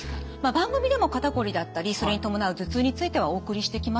番組でも肩こりだったりそれに伴う頭痛についてはお送りしてきましたよね。